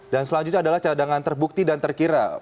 dan selanjutnya adalah cadangan terbukti dan terkira